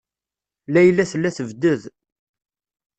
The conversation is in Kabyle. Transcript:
Layla tella tebded.